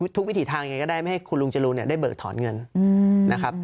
วิถีทางยังไงก็ได้ไม่ให้คุณลุงจรูนได้เบิกถอนเงินนะครับ